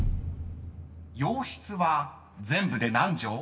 ［洋室は全部で何帖？］